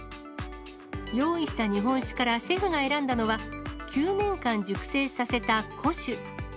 用意した日本酒からシェフが選んだのは、９年間熟成させた古酒。